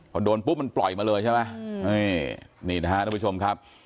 พอโดนปุ๊บมันปล่อยมาเลยใช่ไหมนี่นี่นะฮะทุกผู้ชมครับ